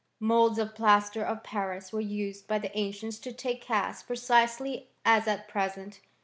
Moulds of plaster of Paris were used by the ancients to take casts precisely as at present.